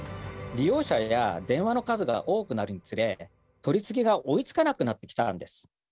利用者や電話の数が多くなるにつれ取り次ぎが追いつかなくなってきたんです。